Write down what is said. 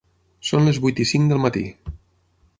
Són les vuit i cinc del matí.